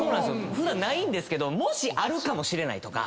普段ないんですけどもしあるかもしれないとか。